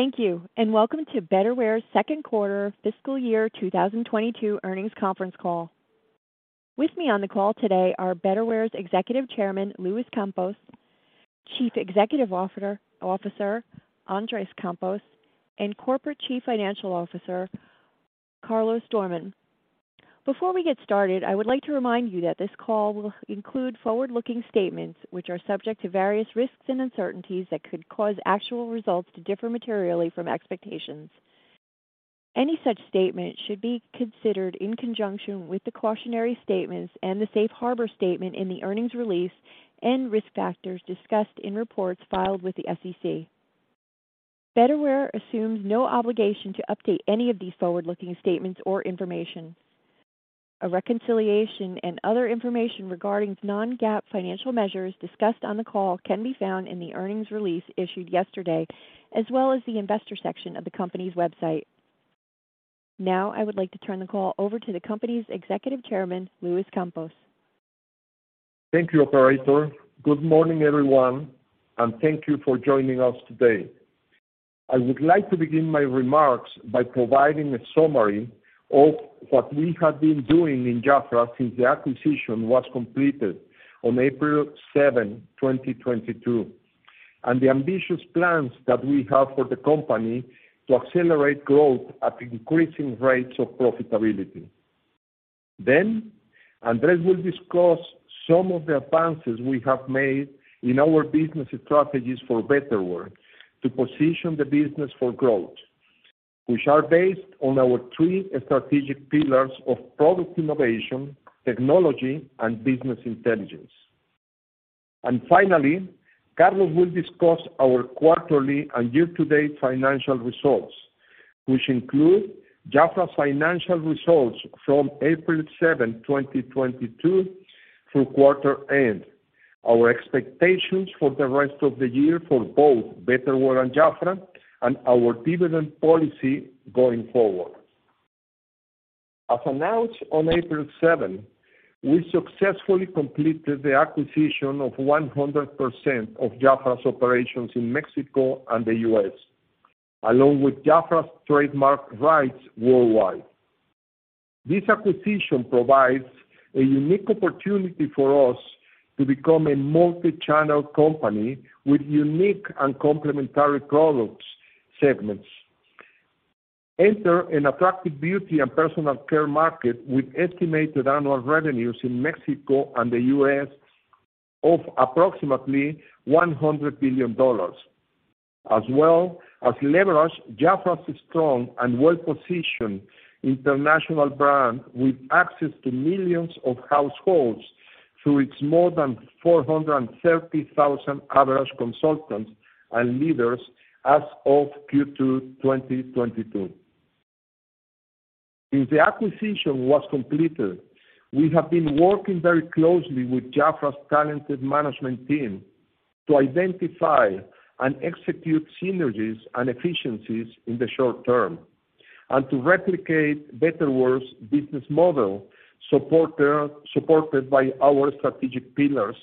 Thank you and welcome to Betterware's second quarter fiscal year 2022 earnings conference call. With me on the call today are Betterware's Executive Chairman, Luis Campos, Chief Executive Officer, Andres Campos, and Corporate Chief Financial Officer, Carlos Doormann. Before we get started, I would like to remind you that this call will include forward-looking statements which are subject to various risks and uncertainties that could cause actual results to differ materially from expectations. Any such statement should be considered in conjunction with the cautionary statements and the safe harbor statement in the earnings release and risk factors discussed in reports filed with the SEC. Betterware assumes no obligation to update any of these forward-looking statements or information. A reconciliation and other information regarding non-GAAP financial measures discussed on the call can be found in the earnings release issued yesterday, as well as the investor section of the company's website. Now, I would like to turn the call over to the company's Executive Chairman, Luis Campos. Thank you, operator. Good morning, everyone, and thank you for joining us today. I would like to begin my remarks by providing a summary of what we have been doing in Jafra since the acquisition was completed on April 7, 2022, and the ambitious plans that we have for the company to accelerate growth at increasing rates of profitability. Andres will discuss some of the advances we have made in our business strategies for Betterware to position the business for growth, which are based on our three strategic pillars of product innovation, technology, and business intelligence. Finally, Carlos will discuss our quarterly and year-to-date financial results, which include Jafra's financial results from April 7, 2022 through quarter end, our expectations for the rest of the year for both Betterware and Jafra, and our dividend policy going forward. As announced on April 7, we successfully completed the acquisition of 100% of Jafra's operations in Mexico and the U.S., along with Jafra's trademark rights worldwide. This acquisition provides a unique opportunity for us to become a multi-channel company with unique and complementary product segments, entering an attractive beauty and personal care market with estimated annual revenues in Mexico and the U.S. of approximately $100 billion, as well as leverage Jafra's strong and well-positioned international brand with access to millions of households through its more than 430,000 active consultants and leaders as of Q2 2022. Since the acquisition was completed, we have been working very closely with Jafra's talented management team to identify and execute synergies and efficiencies in the short-term, and to replicate Betterware's business model supported by our strategic pillars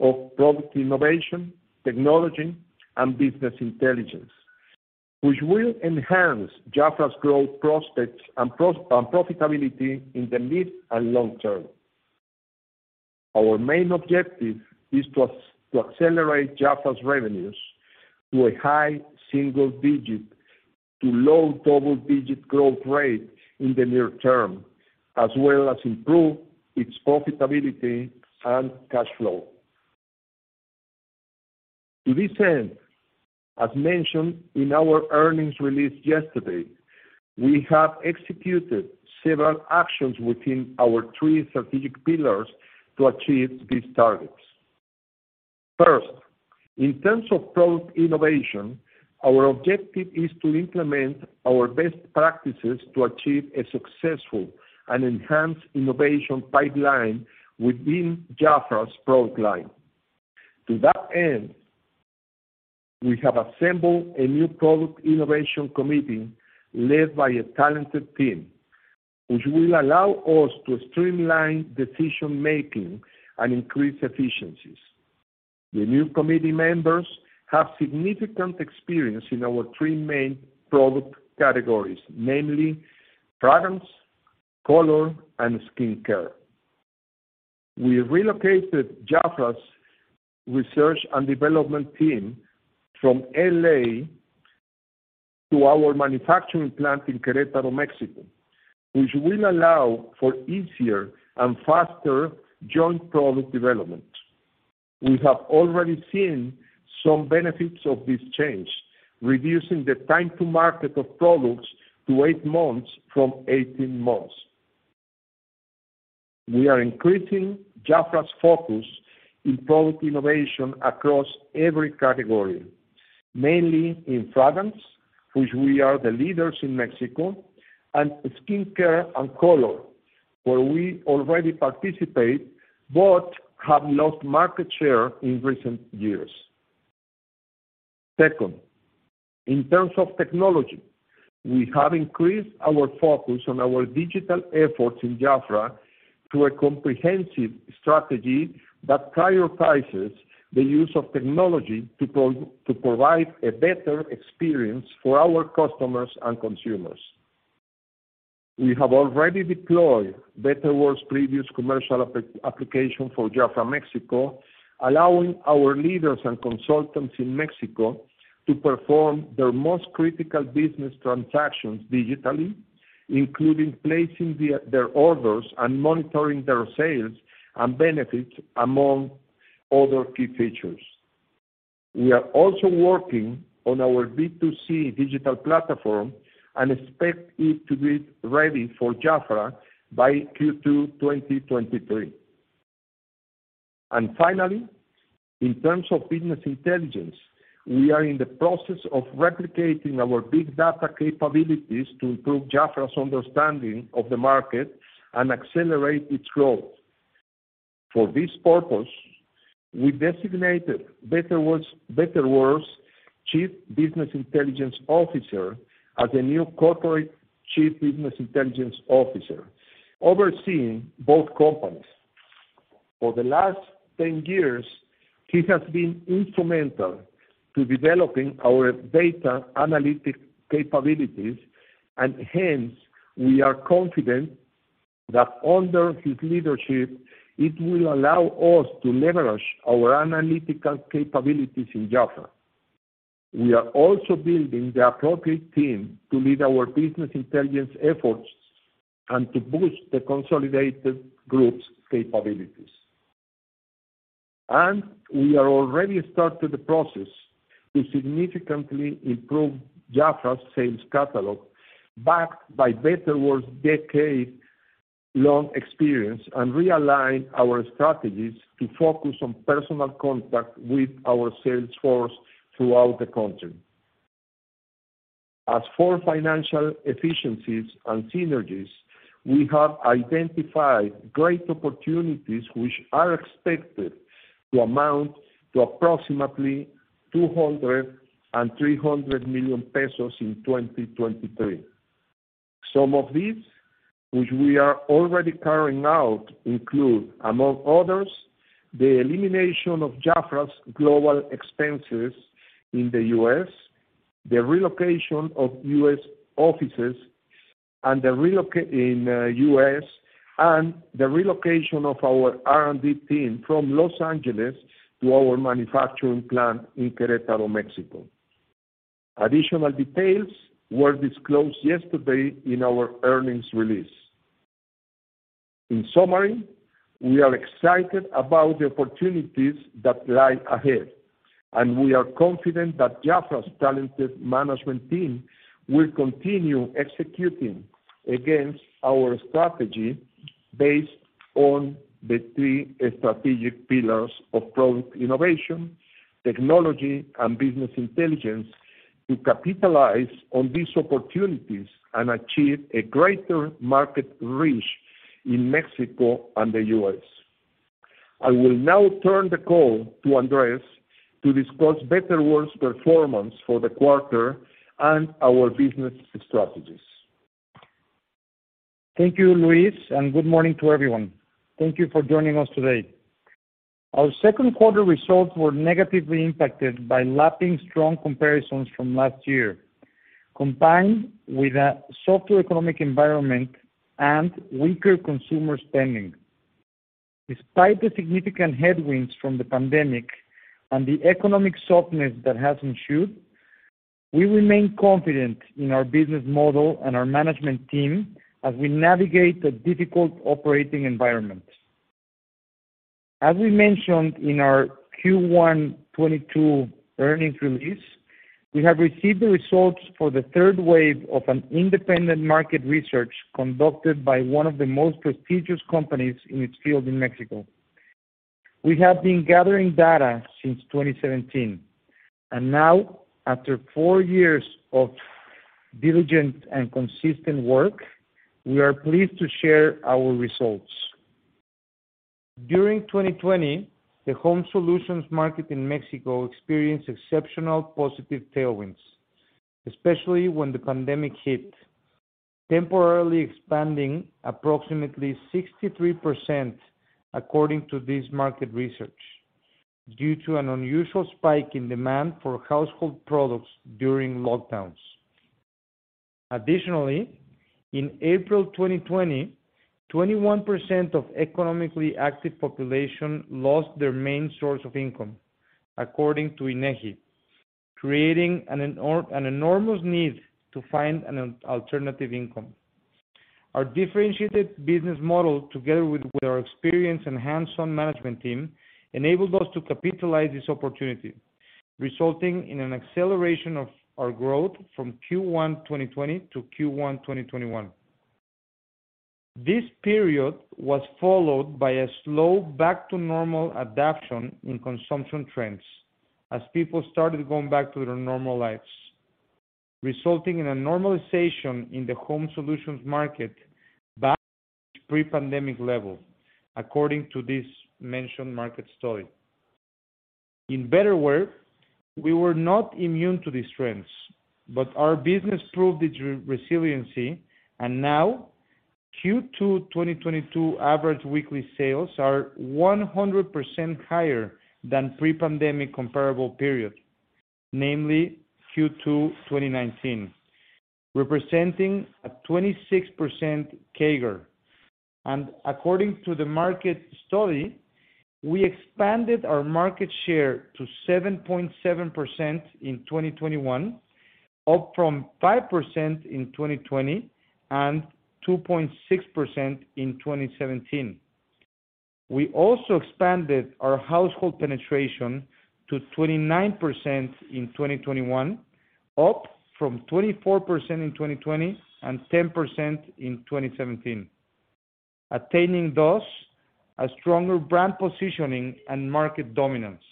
of product innovation, technology, and business intelligence, which will enhance Jafra's growth prospects and profitability in the mid and long term. Our main objective is to accelerate Jafra's revenues to a high single-digit to low double-digit growth rate in the near term, as well as improve its profitability and cash flow. To this end, as mentioned in our earnings release yesterday, we have executed several actions within our three strategic pillars to achieve these targets. First, in terms of product innovation, our objective is to implement our best practices to achieve a successful and enhanced innovation pipeline within Jafra's product line. To that end, we have assembled a new product innovation committee led by a talented team, which will allow us to streamline decision-making and increase efficiencies. The new committee members have significant experience in our three main product categories, namely, fragrance, color, and skincare. We relocated Jafra's research and development team from L.A. to our manufacturing plant in Querétaro, Mexico, which will allow for easier and faster joint product development. We have already seen some benefits of this change, reducing the time to market of products to eight months from 18 months. We are increasing Jafra's focus in product innovation across every category, mainly in fragrance, which we are the leaders in Mexico, and skincare and color, where we already participate but have lost market share in recent years. Second, in terms of technology. We have increased our focus on our digital efforts in Jafra to a comprehensive strategy that prioritizes the use of technology to provide a better experience for our customers and consumers. We have already deployed Betterware's previous commercial application for Jafra Mexico, allowing our leaders and consultants in Mexico to perform their most critical business transactions digitally, including placing their orders and monitoring their sales and benefits, among other key features. We are also working on our B2C digital platform and expect it to be ready for Jafra by Q2 2023. Finally, in terms of business intelligence, we are in the process of replicating our big data capabilities to improve Jafra's understanding of the market and accelerate its growth. For this purpose, we designated Betterware's Chief Business Intelligence Officer as the new Corporate Chief Business Intelligence Officer, overseeing both companies. For the last 10 years, he has been instrumental to developing our data analytic capabilities, and hence, we are confident that under his leadership, it will allow us to leverage our analytical capabilities in Jafra. We are also building the appropriate team to lead our business intelligence efforts and to boost the consolidated group's capabilities. We are already started the process to significantly improve Jafra's sales catalog, backed by Betterware's decade-long experience and realign our strategies to focus on personal contact with our sales force throughout the country. As for financial efficiencies and synergies, we have identified great opportunities which are expected to amount to approximately 200 million-300 million pesos in 2023. Some of these, which we are already carrying out, include, among others, the elimination of Jafra's global expenses in the U.S., the relocation of U.S. offices and the relocation of our R&D team from Los Angeles to our manufacturing plant in Querétaro, Mexico. Additional details were disclosed yesterday in our earnings release. In summary, we are excited about the opportunities that lie ahead, and we are confident that Jafra's talented management team will continue executing against our strategy based on the three strategic pillars of product innovation, technology, and business intelligence to capitalize on these opportunities and achieve a greater market reach in Mexico and the U.S. I will now turn the call to Andres to discuss Betterware's performance for the quarter and our business strategies. Thank you, Luis, and good morning to everyone. Thank you for joining us today. Our second quarter results were negatively impacted by lapping strong comparisons from last year, combined with a softer economic environment and weaker consumer spending. Despite the significant headwinds from the pandemic and the economic softness that has ensued, we remain confident in our business model and our management team as we navigate the difficult operating environment. As we mentioned in our Q1 2022 earnings release, we have received the results for the third wave of an independent market research conducted by one of the most prestigious companies in its field in Mexico. We have been gathering data since 2017, and now after four years of diligent and consistent work, we are pleased to share our results. During 2020, the home solutions market in Mexico experienced exceptional positive tailwinds, especially when the pandemic hit, temporarily expanding approximately 63% according to this market research, due to an unusual spike in demand for household products during lockdowns. Additionally, in April 2020, 21% of economically active population lost their main source of income, according to INEGI, creating an enormous need to find an alternative income. Our differentiated business model, together with our experienced and hands-on management team, enabled us to capitalize this opportunity, resulting in an acceleration of our growth from Q1 2020 to Q1 2021. This period was followed by a slow back to normal adaptation in consumption trends as people started going back to their normal lives, resulting in a normalization in the home solutions market back to its pre-pandemic level, according to this mentioned market study. In Betterware, we were not immune to these trends, but our business proved its resiliency, and now Q2 2022 average weekly sales are 100% higher than pre-pandemic comparable period, namely Q2 2019, representing a 26% CAGR. According to the market study, we expanded our market share to 7.7% in 2021, up from 5% in 2020 and 2.6% in 2017. We also expanded our household penetration to 29% in 2021, up from 24% in 2020 and 10% in 2017, attaining thus a stronger brand positioning and market dominance.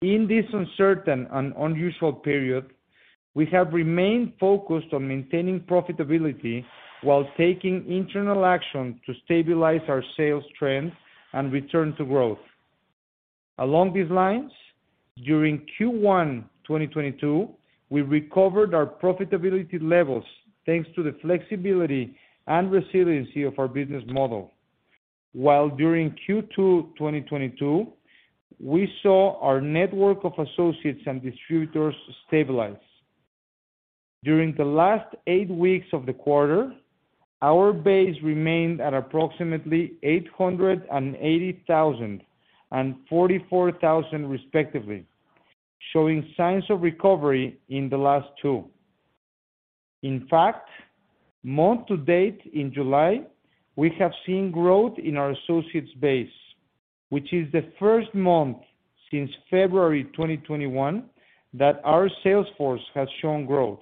In this uncertain and unusual period, we have remained focused on maintaining profitability while taking internal action to stabilize our sales trends and return to growth. Along these lines, during Q1 2022, we recovered our profitability levels thanks to the flexibility and resiliency of our business model. While during Q2 2022, we saw our network of associates and distributors stabilize. During the last eight weeks of the quarter, our base remained at approximately 880,000 and 44,000 respectively, showing signs of recovery in the last two. In fact, month to date in July, we have seen growth in our associates base, which is the first month since February 2021 that our sales force has shown growth.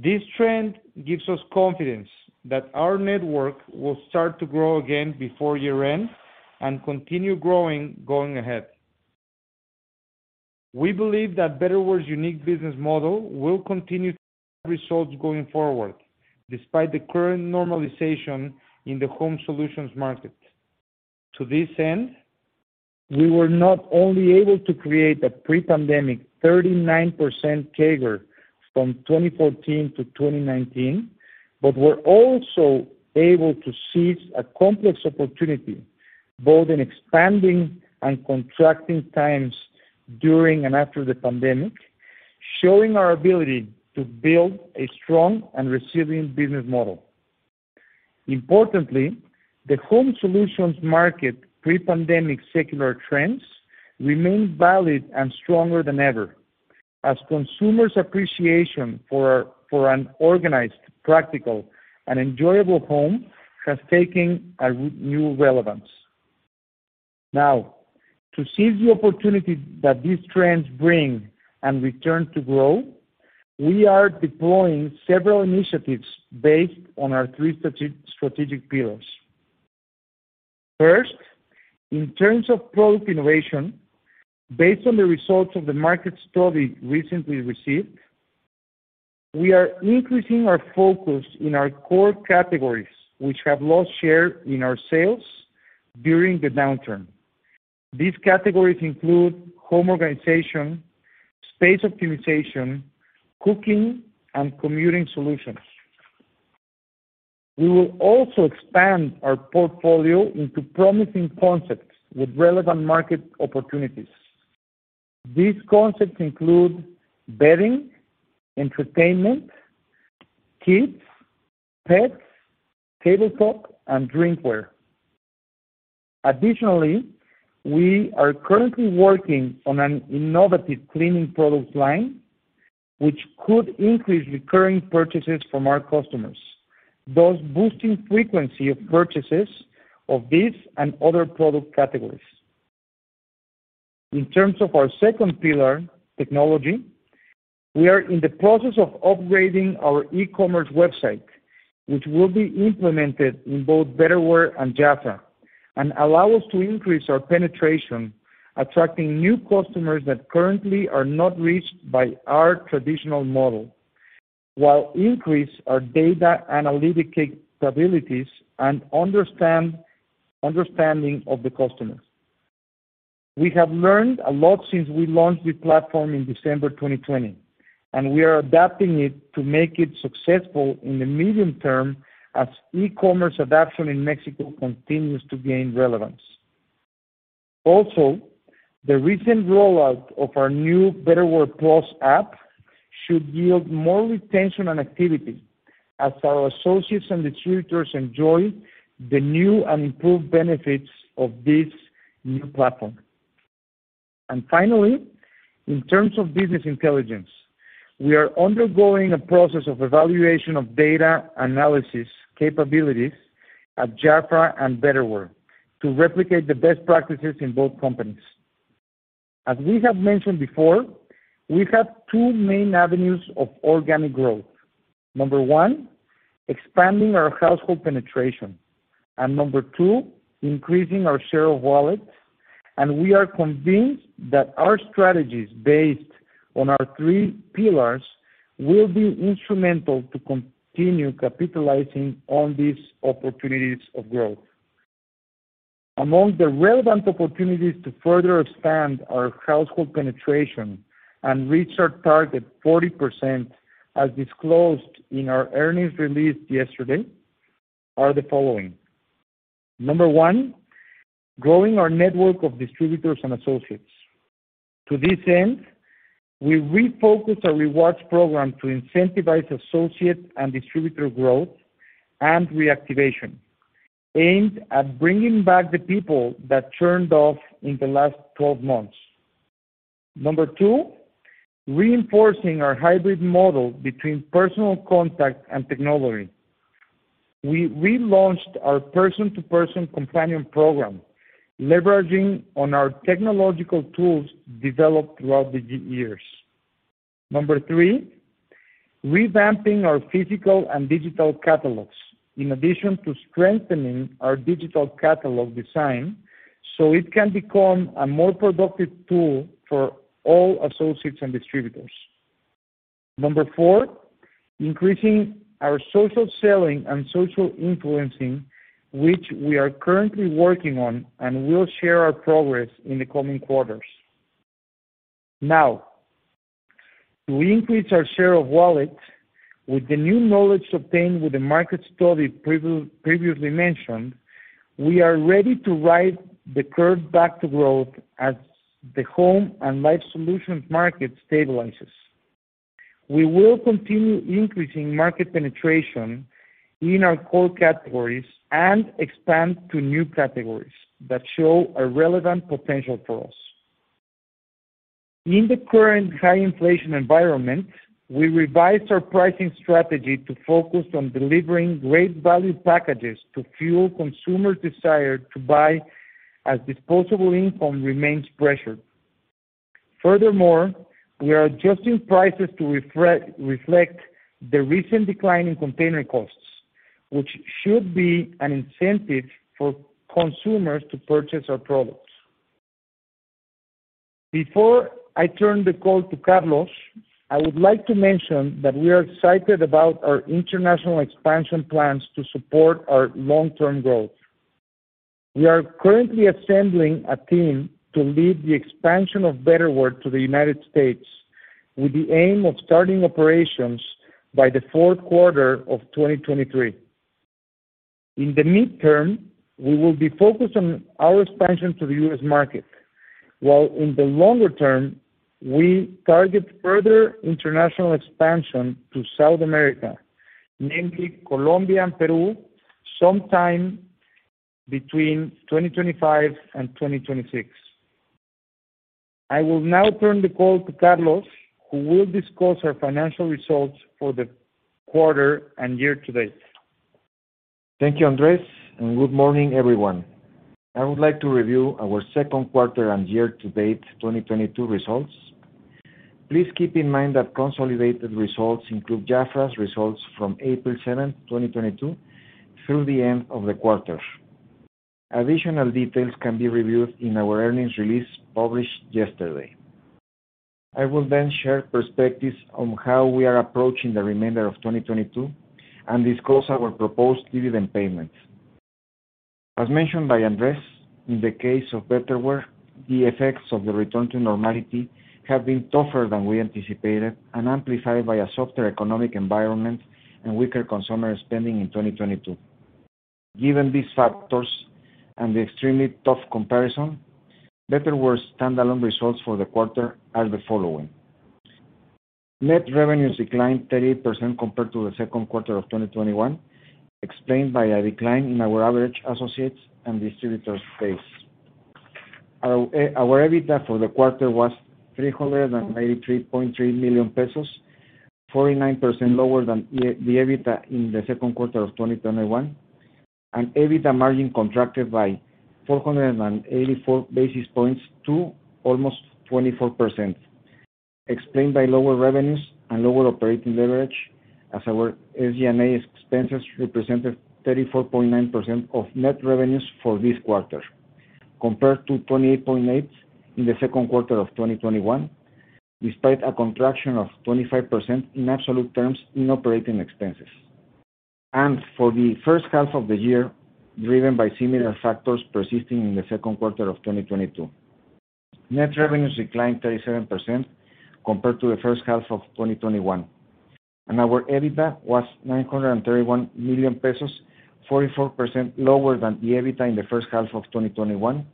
This trend gives us confidence that our network will start to grow again before year-end and continue growing, going ahead. We believe that Betterware's unique business model will continue to have results going forward despite the current normalization in the home solutions market. To this end, we were not only able to create a pre-pandemic 39% CAGR from 2014 to 2019, but were also able to seize a complex opportunity, both in expanding and contracting times during and after the pandemic, showing our ability to build a strong and resilient business model. Importantly, the home solutions market pre-pandemic secular trends remain valid and stronger than ever, as consumers' appreciation for an organized, practical, and enjoyable home has taken a renewed relevance. Now, to seize the opportunity that these trends bring and return to growth, we are deploying several initiatives based on our three strategic pillars. First, in terms of product innovation, based on the results of the market study recently received, we are increasing our focus in our core categories, which have lost share in our sales during the downturn. These categories include home organization, space optimization, cooking, and commuting solutions. We will also expand our portfolio into promising concepts with relevant market opportunities. These concepts include bedding, entertainment, kids, pets, tabletop, and drinkware. Additionally, we are currently working on an innovative cleaning product line, which could increase recurring purchases from our customers, thus boosting frequency of purchases of these and other product categories. In terms of our second pillar, technology, we are in the process of upgrading our e-commerce website, which will be implemented in both Betterware and Jafra, and allow us to increase our penetration, attracting new customers that currently are not reached by our traditional model, while increase our data analytics capabilities and understanding of the customers. We have learned a lot since we launched the platform in December 2020, and we are adapting it to make it successful in the medium term as e-commerce adoption in Mexico continues to gain relevance. Also, the recent rollout of our new Betterware+ app should yield more retention and activity as our associates and distributors enjoy the new and improved benefits of this new platform. Finally, in terms of business intelligence, we are undergoing a process of evaluation of data analysis capabilities at Jafra and Betterware to replicate the best practices in both companies. As we have mentioned before, we have two main avenues of organic growth. Number one, expanding our household penetration. Number two, increasing our share of wallet. We are convinced that our strategies based on our three pillars will be instrumental to continue capitalizing on these opportunities of growth. Among the relevant opportunities to further expand our household penetration and reach our target 40%, as disclosed in our earnings release yesterday, are the following. Number one, growing our network of distributors and associates. To this end, we refocused our rewards program to incentivize associate and distributor growth and reactivation, aimed at bringing back the people that churned off in the last 12 months. Number two, reinforcing our hybrid model between personal contact and technology. We relaunched our person-to-person companion program, leveraging on our technological tools developed throughout the years. Number three, revamping our physical and digital catalogs in addition to strengthening our digital catalog design, so it can become a more productive tool for all associates and distributors. Number four, increasing our social selling and social influencing, which we are currently working on and will share our progress in the coming quarters. Now, to increase our share of wallet with the new knowledge obtained with the market study previously mentioned, we are ready to ride the curve back to growth as the home and life solutions market stabilizes. We will continue increasing market penetration in our core categories and expand to new categories that show a relevant potential for us. In the current high inflation environment, we revised our pricing strategy to focus on delivering great value packages to fuel consumer desire to buy as disposable income remains pressured. Furthermore, we are adjusting prices to reflect the recent decline in container costs, which should be an incentive for consumers to purchase our products. Before I turn the call to Carlos, I would like to mention that we are excited about our international expansion plans to support our long-term growth. We are currently assembling a team to lead the expansion of Betterware to the United States, with the aim of starting operations by the fourth quarter of 2023. In the midterm, we will be focused on our expansion to the U.S. market, while in the longer term, we target further international expansion to South America, namely Colombia and Peru, sometime between 2025 and 2026. I will now turn the call to Carlos, who will discuss our financial results for the quarter and year to date. Thank you, Andres, and good morning, everyone. I would like to review our second quarter and year to date 2022 results. Please keep in mind that consolidated results include Jafra's results from April 7, 2022 through the end of the quarter. Additional details can be reviewed in our earnings release published yesterday. I will then share perspectives on how we are approaching the remainder of 2022 and disclose our proposed dividend payments. As mentioned by Andres, in the case of Betterware, the effects of the return to normality have been tougher than we anticipated and amplified by a softer economic environment and weaker consumer spending in 2022. Given these factors and the extremely tough comparison, Betterware standalone results for the quarter are the following: Net revenues declined 38% compared to the second quarter of 2021, explained by a decline in our average associates and distributor base. Our EBITDA for the quarter was 393.3 million pesos, 49% lower than the EBITDA in the second quarter of 2021. EBITDA margin contracted by 484 basis points to almost 24%, explained by lower revenues and lower operating leverage as our SG&A expenses represented 34.9% of net revenues for this quarter, compared to 28.8% in the second quarter of 2021, despite a contraction of 25% in absolute terms in operating expenses. For the first half of the year, driven by similar factors persisting in the second quarter of 2022. Net revenues declined 37% compared to the first half of 2021. Our EBITDA was 931 million pesos, 44% lower than the EBITDA in the first half of 2021.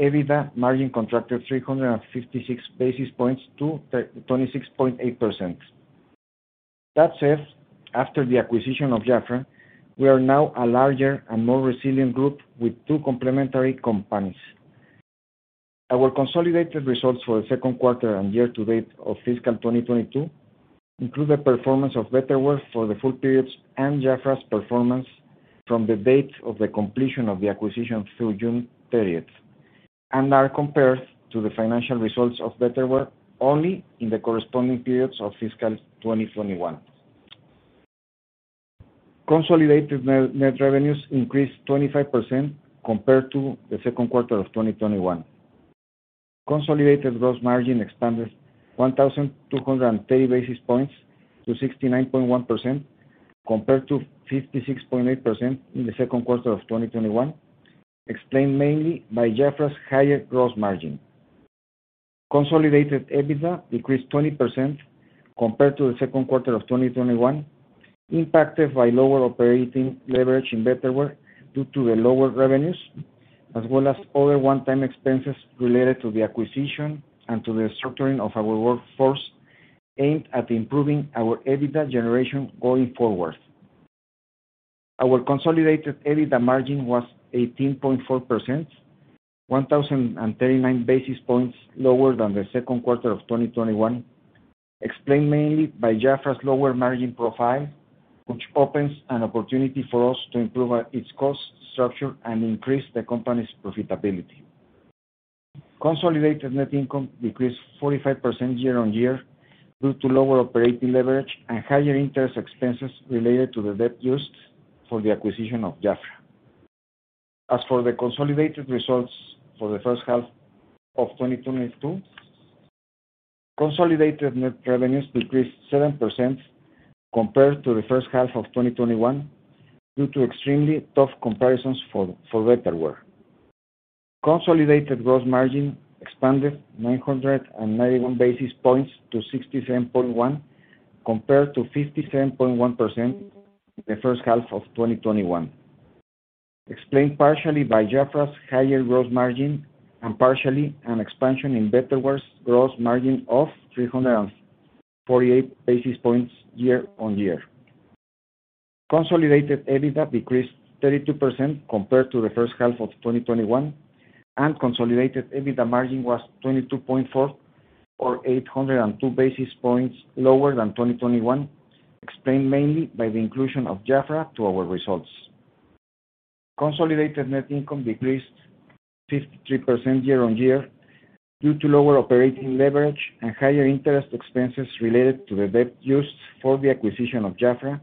EBITDA margin contracted 356 basis points to 26.8%. That said, after the acquisition of Jafra, we are now a larger and more resilient group with two complementary companies. Our consolidated results for the second quarter and year to date of fiscal 2022 include the performance of Betterware for the full periods and Jafra's performance from the date of the completion of the acquisition through June periods, and are compared to the financial results of Betterware only in the corresponding periods of fiscal 2021. Consolidated net revenues increased 25% compared to the second quarter of 2021. Consolidated gross margin expanded 1,230 basis points to 69.1% compared to 56.8% in the second quarter of 2021, explained mainly by Jafra's higher gross margin. Consolidated EBITDA decreased 20% compared to the second quarter of 2021, impacted by lower operating leverage in Betterware due to the lower revenues, as well as other one-time expenses related to the acquisition and to the structuring of our workforce aimed at improving our EBITDA generation going forward. Our consolidated EBITDA margin was 18.4%, 1,039 basis points lower than the second quarter of 2021, explained mainly by Jafra's lower margin profile, which opens an opportunity for us to improve its cost structure and increase the company's profitability. Consolidated net income decreased 45% year-on-year due to lower operating leverage and higher interest expenses related to the debt used for the acquisition of Jafra. As for the consolidated results for the first half of 2022, consolidated net revenues decreased 7% compared to the first half of 2021 due to extremely tough comparisons for Betterware. Consolidated gross margin expanded 991 basis points to 67.1%, compared to 57.1% in the first half of 2021. Explained partially by Jafra's higher gross margin and partially an expansion in Betterware's gross margin of 348 basis points year-on-year. Consolidated EBITDA decreased 32% compared to the first half of 2021, and consolidated EBITDA margin was 22.4% or 802 basis points lower than 2021, explained mainly by the inclusion of Jafra to our results. Consolidated net income decreased 53% year-on-year due to lower operating leverage and higher interest expenses related to the debt used for the acquisition of Jafra.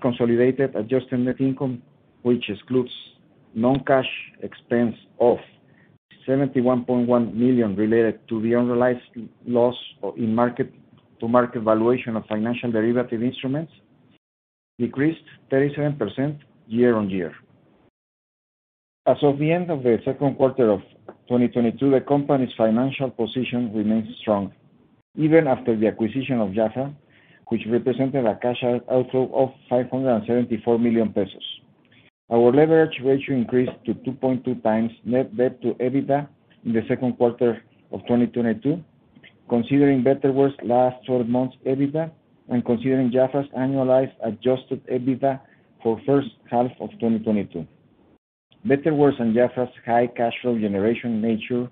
Consolidated adjusted net income, which excludes non-cash expense of 71.1 million related to the unrealized loss in mark-to-market valuation of financial derivative instruments, decreased 37% year-on-year. As of the end of the second quarter of 2022, the company's financial position remains strong even after the acquisition of Jafra, which represented a cash outflow of 574 million pesos. Our leverage ratio increased to 2.2x net debt to EBITDA in the second quarter of 2022, considering Betterware's last twelve months EBITDA and considering Jafra's annualized adjusted EBITDA for first half of 2022. Betterware's and Jafra's high cash flow generation nature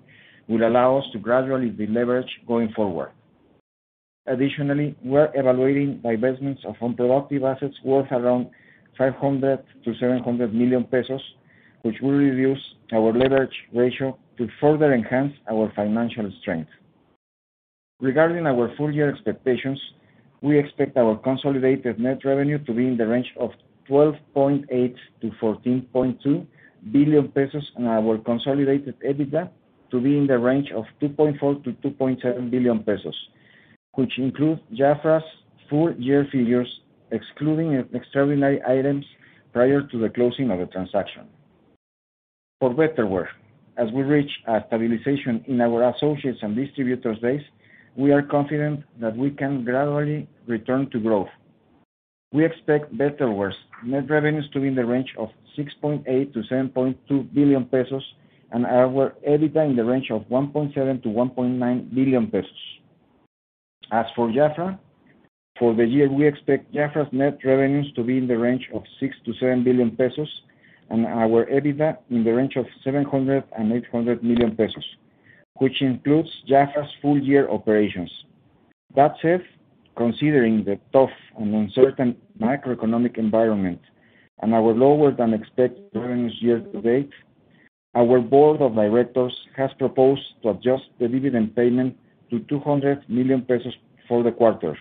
will allow us to gradually deleverage going forward. We're evaluating divestments of unproductive assets worth around 500 million-700 million pesos, which will reduce our leverage ratio to further enhance our financial strength. Regarding our full year expectations, we expect our consolidated net revenue to be in the range of 12.8 billion-14.2 billion pesos, and our consolidated EBITDA to be in the range of 2.4 billion-2.7 billion pesos, which includes Jafra's full year figures excluding extraordinary items prior to the closing of the transaction. For Betterware, as we reach a stabilization in our associates and distributors base, we are confident that we can gradually return to growth. We expect Betterware's net revenues to be in the range of 6.8 billion-7.2 billion pesos and our EBITDA in the range of 1.7 billion-1.9 billion pesos. As for Jafra, for the year, we expect Jafra's net revenues to be in the range of 6 billion-7 billion pesos, and our EBITDA in the range of 700 million-800 million pesos, which includes Jafra's full year operations. That said, considering the tough and uncertain macroeconomic environment and our lower than expected revenues year to date, our board of directors has proposed to adjust the dividend payment to 200 million pesos for the quarter,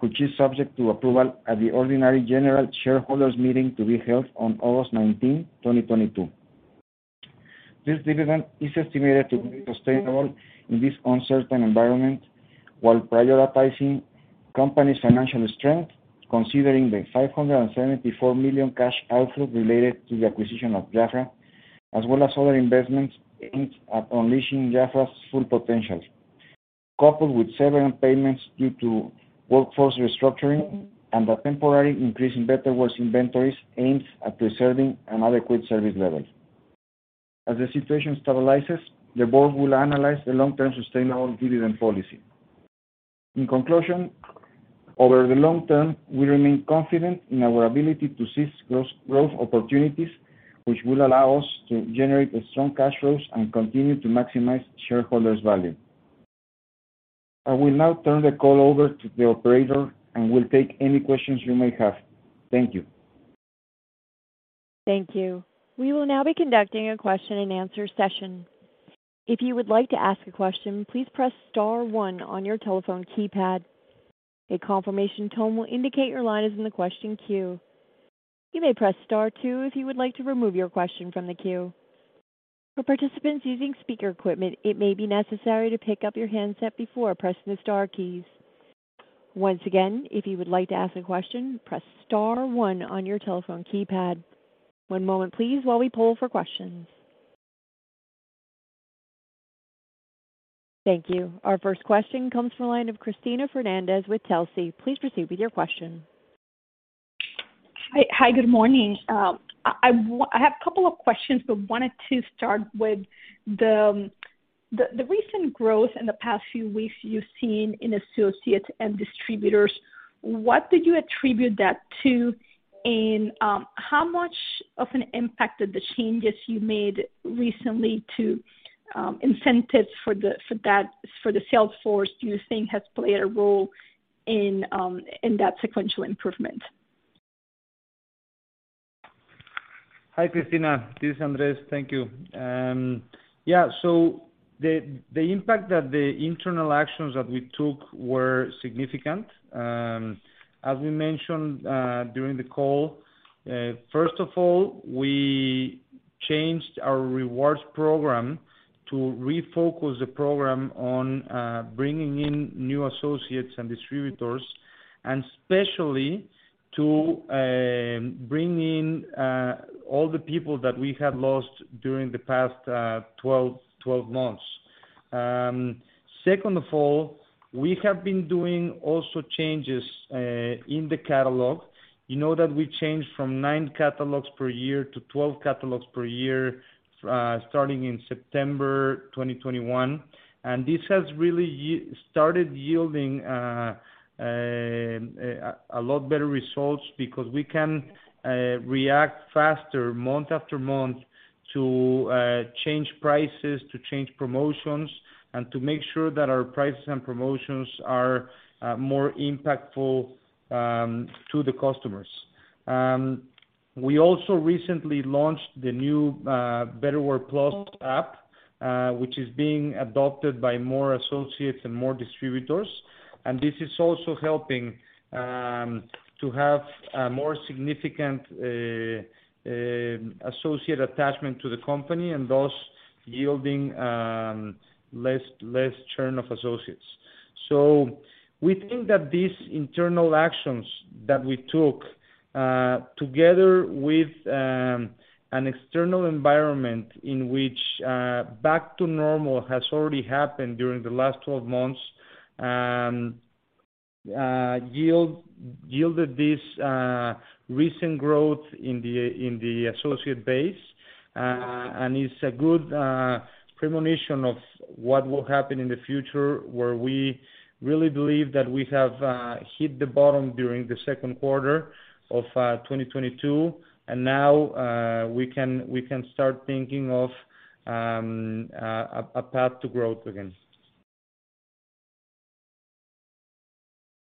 which is subject to approval at the ordinary general shareholders meeting to be held on August nineteenth, 2022. This dividend is estimated to be sustainable in this uncertain environment while prioritizing company's financial strength, considering the 574 million cash outflow related to the acquisition of Jafra, as well as other investments aimed at unleashing Jafra's full potential. Coupled with severance payments due to workforce restructuring and a temporary increase in Betterware's inventories aimed at preserving an adequate service level. As the situation stabilizes, the board will analyze the long-term sustainable dividend policy. In conclusion, over the long term, we remain confident in our ability to seize growth opportunities, which will allow us to generate strong cash flows and continue to maximize shareholders' value. I will now turn the call over to the operator and will take any questions you may have. Thank you. Thank you. We will now be conducting a question-and-answer session. If you would like to ask a question, please press star one on your telephone keypad. A confirmation tone will indicate your line is in the question queue. You may press star two if you would like to remove your question from the queue. For participants using speaker equipment, it may be necessary to pick up your handset before pressing the star keys. Once again, if you would like to ask a question, press star one on your telephone keypad. One moment please while we poll for questions. Thank you. Our first question comes from the line of Cristina Fernández with Telsey. Please proceed with your question. Hi. Hi. Good morning. I have a couple of questions, but wanted to start with the recent growth in the past few weeks you've seen in associates and distributors. What did you attribute that to? How much of an impact did the changes you made recently to incentives for the sales force do you think has played a role in that sequential improvement? Hi, Cristina. This is Andres. Thank you. The impact that the internal actions that we took were significant. As we mentioned during the call, first of all, we changed our rewards program to refocus the program on bringing in new associates and distributors, and especially to bring in all the people that we have lost during the past 12 months. Second of all, we have been doing also changes in the catalog. You know that we changed from nine catalogs per year to 12 catalogs per year, starting in September 2021, and this has really started yielding a lot better results because we can react faster month after month to change prices, to change promotions, and to make sure that our prices and promotions are more impactful to the customers. We also recently launched the new Betterware+ app, which is being adopted by more associates and more distributors. This is also helping to have a more significant associate attachment to the company, and thus yielding less churn of associates. We think that these internal actions that we took, together with an external environment in which back to normal has already happened during the last 12 months, yielded this recent growth in the associate base. It's a good premonition of what will happen in the future, where we really believe that we have hit the bottom during the second quarter of 2022, and now we can start thinking of a path to growth again.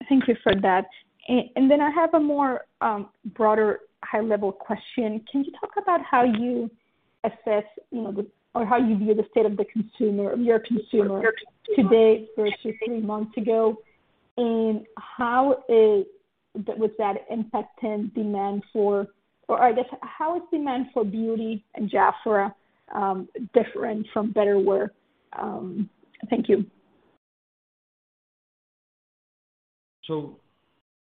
Thank you for that. I have a more broader high-level question. Can you talk about how you assess, you know, or how you view the state of the consumer, of your consumer today versus three months ago, and how is that impacting demand for or I guess how is demand for beauty and Jafra different from Betterware? Thank you.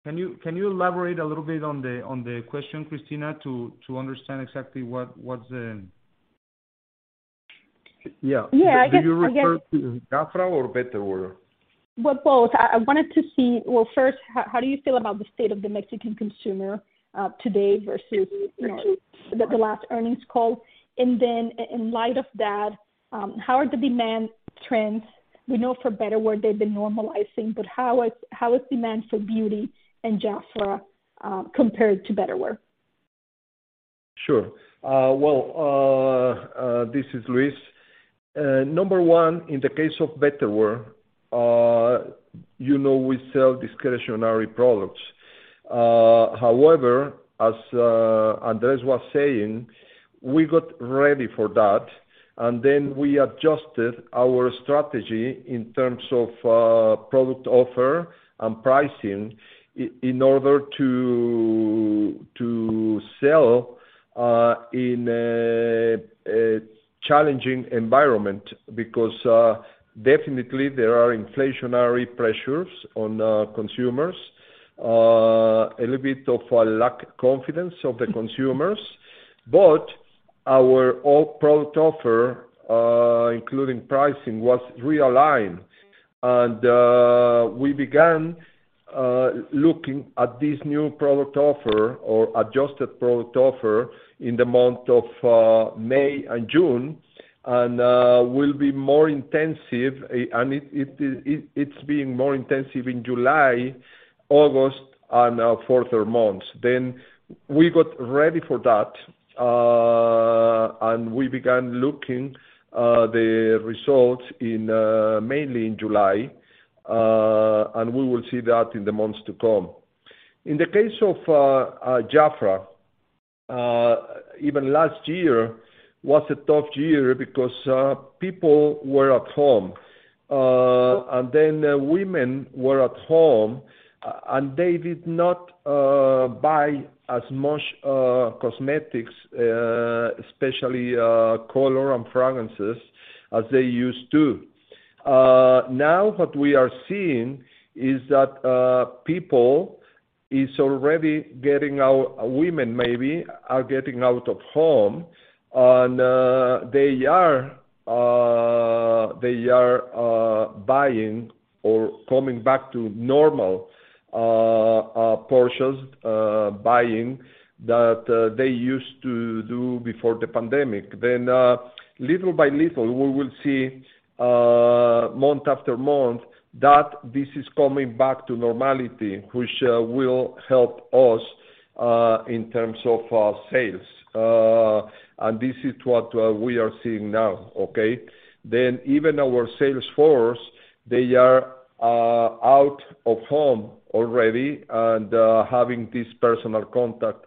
Can you elaborate a little bit on the question, Cristina, to understand exactly what's the. Yeah. Yeah. I guess. Do you refer to Jafra or Betterware? Well, both. Well, first, how do you feel about the state of the Mexican consumer today versus- All right. The last earnings call? In light of that, how are the demand trends? We know for Betterware they've been normalizing, but how is demand for beauty and Jafra compared to Betterware? Sure. This is Luis. Number one, in the case of Betterware, you know, we sell discretionary products. However, as Andres was saying, we got ready for that, and then we adjusted our strategy in terms of product offer and pricing in order to sell in a challenging environment because definitely there are inflationary pressures on the consumers, a little bit of a lack of confidence of the consumers. Our overall product offer, including pricing, was realigned. We began looking at this new product offer or adjusted product offer in the month of May and June, and will be more intensive, and it is being more intensive in July, August, and further months. We got ready for that. We began looking at the results mainly in July. We will see that in the months to come. In the case of Jafra, even last year was a tough year because people were at home. Women were at home, and they did not buy as much cosmetics, especially color and fragrances, as they used to. Now what we are seeing is that people is already getting out. Women maybe are getting out of home and they are buying or coming back to normal purchasing buying that they used to do before the pandemic. Little by little, we will see month after month that this is coming back to normality, which will help us in terms of sales. This is what we are seeing now. Okay? Even our sales force, they are out of home already and having this personal contact.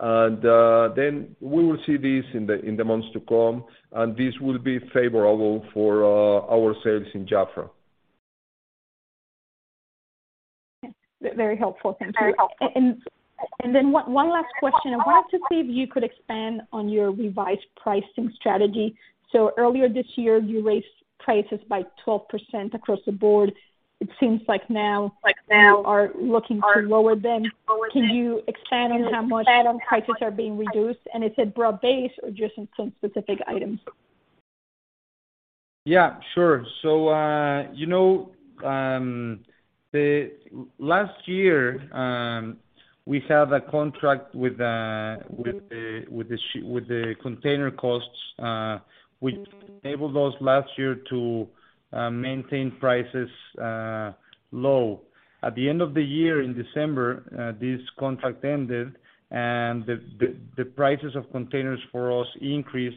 We will see this in the months to come, and this will be favorable for our sales in Jafra. Very helpful. Thank you. Very helpful. One last question. I wanted to see if you could expand on your revised pricing strategy. Earlier this year, you raised prices by 12% across the board. It seems like now you are looking to lower them. Can you expand on how much item prices are being reduced? Is it broad-based or just some specific items? Yeah, sure. You know, last year we had a contract with the container costs, which enabled us last year to maintain prices low. At the end of the year in December, this contract ended and the prices of containers for us increased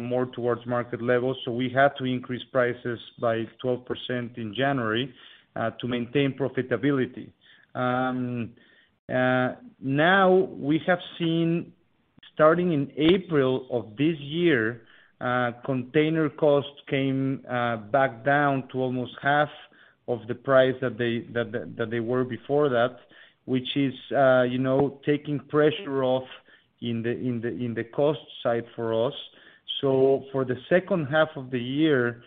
more towards market levels. We had to increase prices by 12% in January to maintain profitability. Now we have seen, starting in April of this year, container costs came back down to almost half of the price that they were before that, which is, you know, taking pressure off in the cost side for us. For the second half of the year,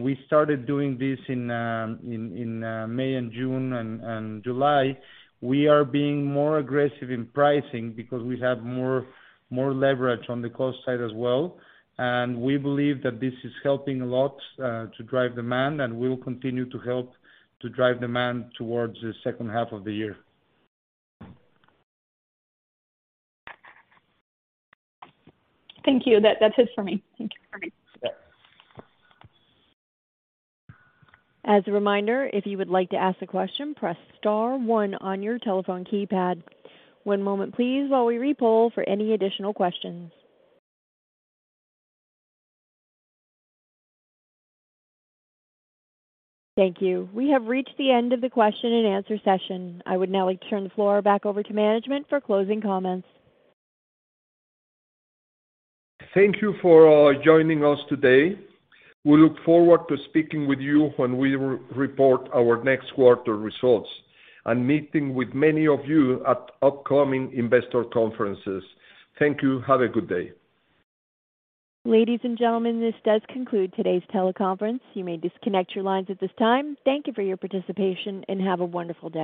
we started doing this in May and June and July, we are being more aggressive in pricing because we have more leverage on the cost side as well. We believe that this is helping a lot to drive demand and will continue to help to drive demand towards the second half of the year. Thank you. That's it for me. Thank you. Yeah. As a reminder, if you would like to ask a question, press star one on your telephone keypad. One moment please while we re-poll for any additional questions. Thank you. We have reached the end of the question-and-answer session. I would now like to turn the floor back over to management for closing comments. Thank you for joining us today. We look forward to speaking with you when we report our next quarter results and meeting with many of you at upcoming investor conferences. Thank you. Have a good day. Ladies and gentlemen, this does conclude today's teleconference. You may disconnect your lines at this time. Thank you for your participation, and have a wonderful day.